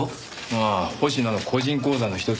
ああ保科の個人口座の一つ。